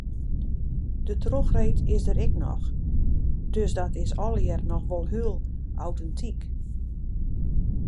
De trochreed is der ek noch, dus dat is allegear noch wol heel autentyk.